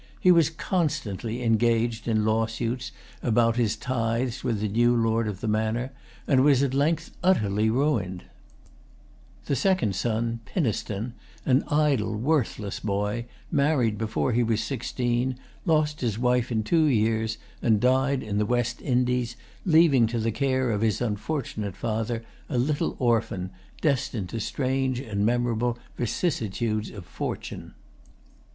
He was constantly engaged in lawsuits about his tithes with the new lord of the manor, and was at length utterly ruined. His eldest son, Howard, a well conducted young man, obtained a place in the Customs. The second son, Pynaston, an idle, worthless boy, married before he was sixteen, lost his wife in two years, and died in the West Indies, leaving to the care of his unfortunate father a little orphan, destined to strange and memorable vicissitudes of fortune.